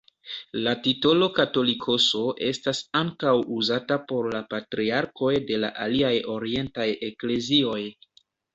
La titolo «katolikoso» estas ankaŭ uzata por la patriarkoj de la aliaj orientaj eklezioj.